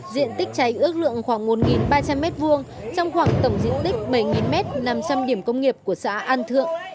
diện tích cháy ước lượng khoảng một ba trăm linh m hai trong khoảng tổng diện tích bảy năm trăm linh điểm công nghiệp của xã an thượng